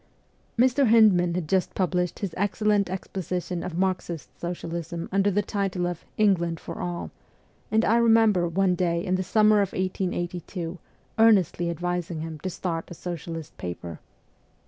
Mr. Hyndman had just published his excellent exposition of Marxist socialism under the title of 'England for All'; and I remember, one day in the summer of 1882, earnestly advising him to start a socialist paper.